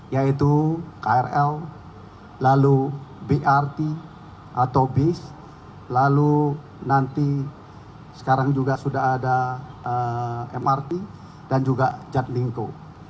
yaitu krl lalu brt atau bis lalu nanti sekarang juga sudah ada mrt dan juga jatlingco